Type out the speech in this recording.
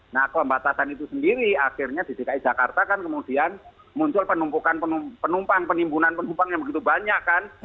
nah pembatasan itu sendiri akhirnya di dki jakarta kan kemudian muncul penumpukan penumpang penimbunan penumpang yang begitu banyak kan